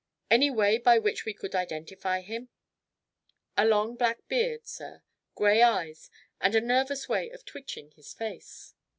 "Any way by which we could identify him?" "A long black beard, sir. Grey eyes. And a nervous way of twitching his face."